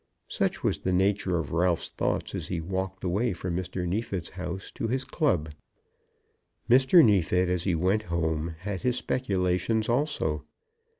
Such was the nature of Ralph's thoughts as he walked away from Mr. Neefit's house to his club. Mr. Neefit, as he went home, had his speculations also.